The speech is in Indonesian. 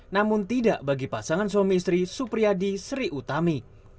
namun tidak bagi pasangan suami istri supriyadi sri utami